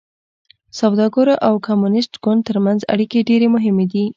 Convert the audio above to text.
سوداګرو او کمونېست ګوند ترمنځ اړیکې ډېرې مهمې دي.